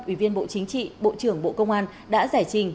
ủy viên bộ chính trị bộ trưởng bộ công an đã giải trình